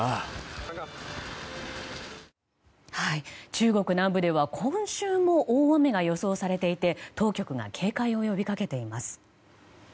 中国南部では今週も大雨が予想されていて当局が警戒を呼びかけています。